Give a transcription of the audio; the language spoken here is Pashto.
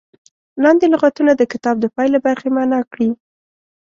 لاندې لغتونه د کتاب د پای له برخې معنا کړي.